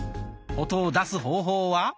音を出す方法は。